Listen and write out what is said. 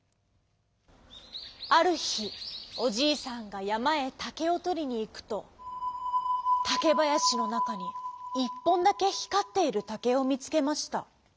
あるひおじいさんがやまへたけをとりにいくとたけばやしのなかに１ぽんだけひかっているたけをみつけました。